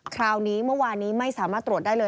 คราวนี้เมื่อวานนี้ไม่สามารถตรวจได้เลย